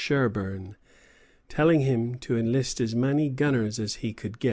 ] Sherburn, telling him to enlist as many gunners as he could.